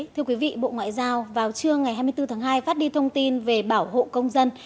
thưa quý vị bộ ngoại giao vào trưa ngày hai mươi bốn tháng hai phát đi thông tin về bảo hộ công dân